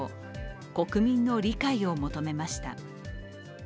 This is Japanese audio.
国民の理解を求めました。